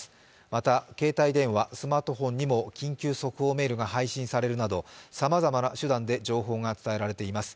また携帯電話、スマートフォンにも緊急速報メールが配信されるなどさまざまな手段で情報が伝えられています。